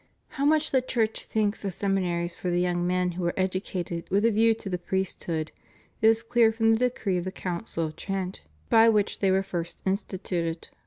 How much the Church thinks of seminaries for the young men who are educated with a view to the priest hood, is clear from the decree of the Council of Trent, by which they were first instituted.